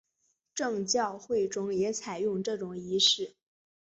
正教会中也采用这种仪式。